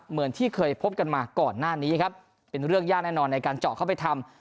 เหมือนที่เคยพบกันมาก่อนหน้านี้ครับเป็นเรื่องยากแน่นอนในการเจาะเข้าไปทำ